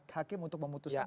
hakim untuk memutuskan